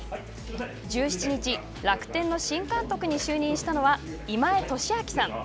１７日楽天の新監督に就任したのは今江敏晃さん。